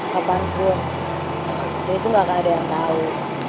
bapakanku dia itu gak akan ada yang tau